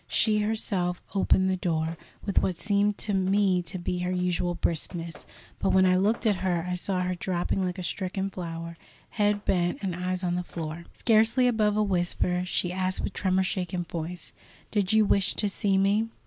She herself opened the door, with what seemed to me to be her usual briskness; but when I looked at her, I saw her drooping like a stricken flower, head bent, and eyes on the floor. Scarcely above a whisper, she asked with tremor shaken voice: "Did you wish to see me?"